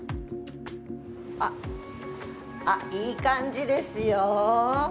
あっ、あっ、いい感じですよ。